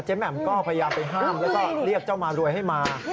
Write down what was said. แหม่มก็พยายามไปห้ามแล้วก็เรียกเจ้ามารวยให้มา